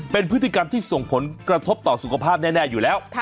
เป็นพฤติกรรมที่ส่งผลกระทบต่อสุขภาพแน่อยู่แล้ว